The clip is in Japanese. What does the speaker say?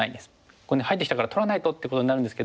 ここに入ってきたから取らないとってことになるんですけど